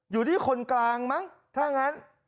อยู่ที่คนกลางมั้งถ้างั้น